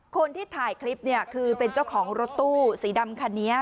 คนที่ถ่ายคลิปเนี่ยคือเป็นเจ้าของรถตู้สีดำคันนี้